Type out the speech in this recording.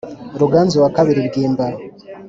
ruganzu wakabiri bwimba